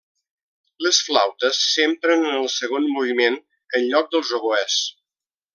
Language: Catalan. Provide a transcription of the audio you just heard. Les flautes s'empren en el segon moviment en lloc dels oboès.